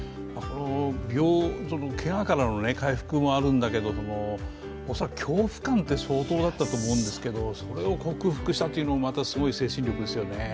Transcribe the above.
けがからの回復もあるんだけど恐怖感って相当だったと思うんですけどそれを克服したというのもまたすごい精神力ですよね。